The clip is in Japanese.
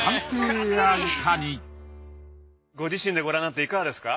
ご自身でご覧になっていかがですか？